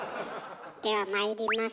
ではまいります。